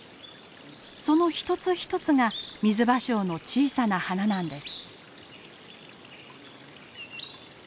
その一つ一つがミズバショウの小さな花なんです。